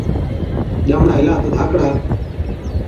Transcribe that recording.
ڄامڙا هِلا تہ ڌاڪڙا،